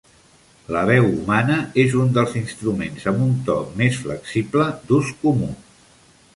La veu humana és un dels instruments amb un to més flexible d'ús comú.